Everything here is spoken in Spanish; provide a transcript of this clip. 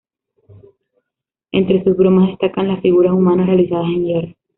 Entre sus obras destacan las figuras humanas realizadas en hierro.